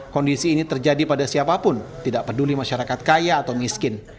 kondisi ini terjadi pada siapapun tidak peduli masyarakat kaya atau miskin